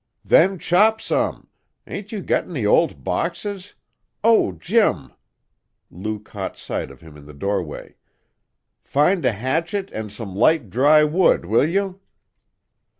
"Then chop some! Ain't you got any old boxes? Oh, Jim!" Lou caught sight of him in the doorway. "Find a hatchet and some light, dry wood, will you?"